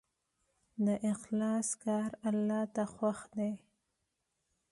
د اخلاص کار الله ته خوښ دی.